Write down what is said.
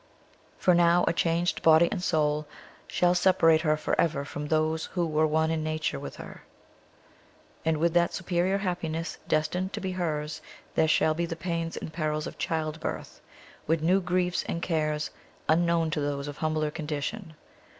For now a changed body and soul shall separate her forever from those who were one in nature with her; and with that superior happiness destined to be hers there shall be the pains and perils of childbirth, with new griefs and cares unknown to those of humbler condition.